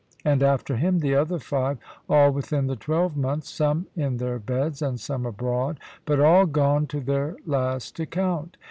And after him the other five, all within the twelvemonth; some in their beds, and some abroad, but all gone to their last account.